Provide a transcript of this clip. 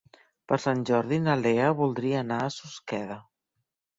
Per Sant Jordi na Lea voldria anar a Susqueda.